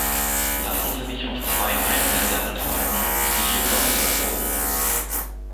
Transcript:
Lassen Sie mich auf zwei Einwände antworten, die hier geäußert wurden.